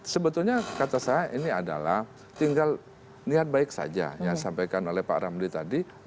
sebetulnya kata saya ini adalah tinggal niat baik saja yang disampaikan oleh pak ramli tadi